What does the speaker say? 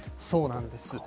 そうなんです。